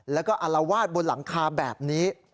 และอลวาดบนหลังคาแบบนี้